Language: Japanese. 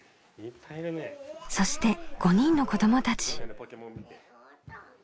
そして５人の子どもたち。